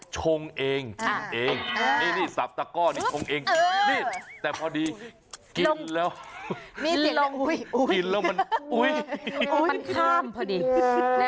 ชงเองนี่สับตักร่อนี่ชงเองแต่พอดีกินแล้วมันข้ามพอดีนะ